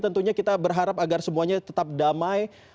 tentunya kita berharap agar semuanya tetap damai